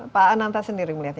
pak ananta sendiri melihatnya